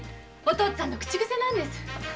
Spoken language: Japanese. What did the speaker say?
お父っつぁんの口ぐせなんです。